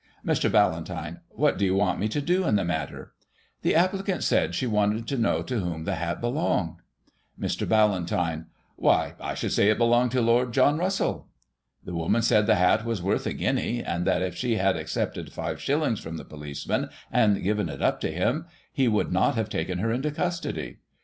Mr. Ballantyne : What do you want me to do in the matter i The applicant said she wanted to know to whom the hat belonged. Digitized by Google 32 GOSSIP. [1838 Mr. Ballantyne: Why, I should say it belonged to Lord John Russell. ' The woman said the hat was worth a guinea, and that if she had accepted 5/ from the policeman, and given it up to him, he would not have taken her into custody.